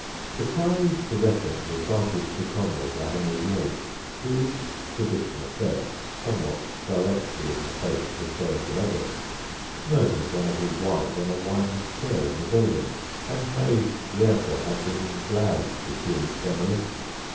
The priory's possessions were granted to Cromwell by Henry VIII., who, tradition asserts (somewhat directly in the face of historical evidence), murdered one of his wives on a winding stair in the building, and may therefore have been glad to see its demolition.